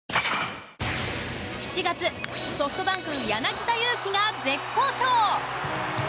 ７月、ソフトバンク柳田悠岐が絶好調。